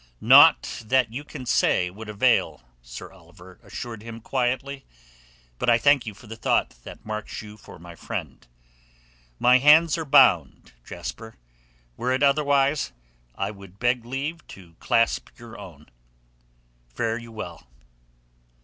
"Naught that you can say would avail," Sir Oliver assured him quietly. "But I thank you for the thought that marks you for my friend. My hands are bound, Jasper. Were it otherwise I would beg leave to clasp your own. Fare you well!"